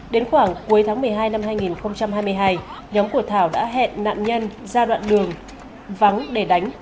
đến khoảng cuối tháng một mươi hai năm hai nghìn hai mươi hai nhóm của thảo đã hẹn nạn nhân ra đoạn đường vắng để đánh